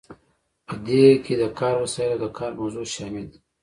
په دې کې د کار وسایل او د کار موضوع شامل دي.